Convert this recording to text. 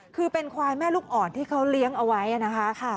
คือเป็นควายแม่ลูกอ่อนที่เขาเลี้ยงเอาไว้นะคะ